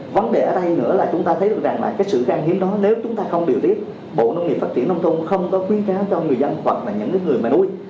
vấn đề ở đây nữa là chúng ta thấy được rằng là cái sự khan hiếm đó nếu chúng ta không điều tiết bộ nông nghiệp phát triển nông thôn không có khuyến cáo cho người dân hoặc là những người mà nuôi